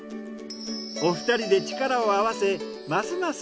お二人で力を合わせますます